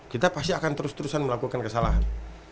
kita pasti akan terus terusan melakukan kesalahan